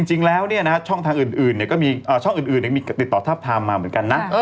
จริงแล้วช่องทางอื่นมีติดต่อท่าพามาเหมือนกันนะ